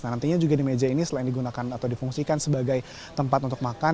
nah nantinya juga di meja ini selain digunakan atau difungsikan sebagai tempat untuk makan